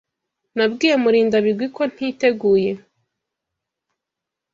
Nabwiye Murindabigwi ko ntiteguye.